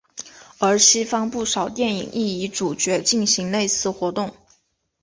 而西方不少电影亦以主角进行类似活动。